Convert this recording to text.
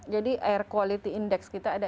jadi air quality index kita ada